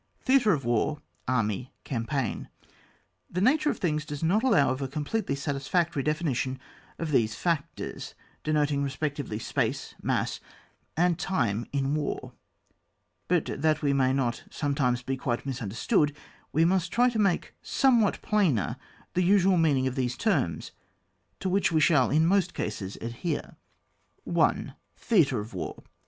THEATRE OF WAR, ARMY, CAMPAIGN. Tbe nature of the things does not allow of a completely satisfactory definition of these three factors, denoting respectively, space, mass, and time in war ; but that yoL. II. we may not sometimes be quite misim derstood, we must try to make somewhat plainer the usual meaning of these terms, to which we shall in most cases adhere. B ON JFAJR, [book v. 1.— Theatre of War.